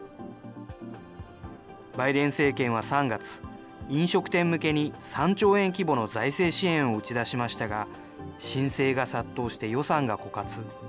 バイデン政権は３月、飲食店向けに３兆円規模の財政支援を打ち出しましたが、申請が殺到して予算が枯渇。